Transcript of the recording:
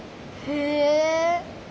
へえ。